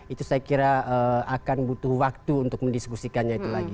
itu saya kira akan butuh waktu untuk mendiskusikannya itu lagi